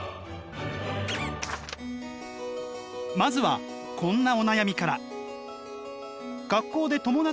まずはこんなお悩みから。